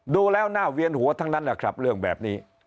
ดูแล้วหน้าเวียนหัวทั้งนั้นนะครับเรื่องแบบนี้